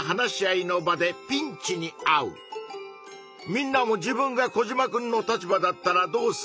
みんなも自分がコジマくんの立場だったらどうするか？